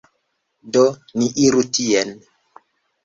Do, ni iru tien